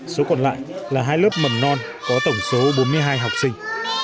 số còn lại là hai lớp mầm non có tổng số bốn mươi hai học sinh